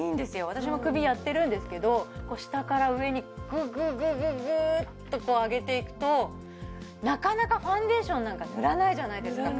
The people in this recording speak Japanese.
私も首やってるんですけど下から上にググググーッと上げていくとなかなかファンデーションなんか塗らないじゃないですか